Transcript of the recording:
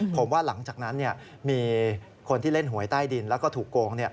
ผมว่าหลังจากนั้นมีคนที่เล่นหวยใต้ดินแล้วก็ถูกโกง